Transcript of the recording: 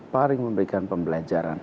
paling memberikan pembelajaran